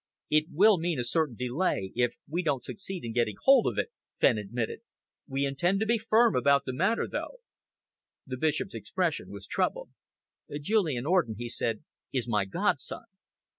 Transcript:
"It will mean a certain delay if we don't succeed in getting hold of it," Fenn admitted. "We intend to be firm about the matter, though." The Bishop's expression was troubled. "Julian Orden," he said, "is my godson."